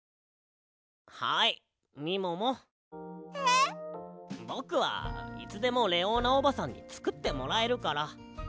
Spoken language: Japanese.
えっ？ぼくはいつでもレオーナおばさんにつくってもらえるから。